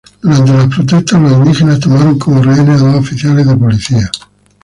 Durante las protestas, los indígenas tomaron como rehenes a dos oficiales de policía.